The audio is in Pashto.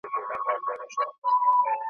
خپلو بچوړو ته په زرو سترګو زرو ژبو `